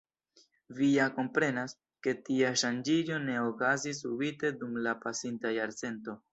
Vi ja komprenas, ke tia ŝanĝiĝo ne okazis subite dum la pasinta jarcento.